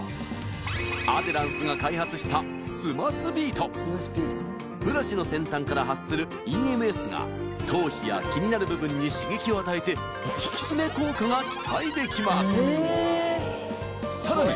アデランスが開発したブラシの先端から発するＥＭＳが頭皮や気になる部分に刺激を与えて引き締め効果が期待できます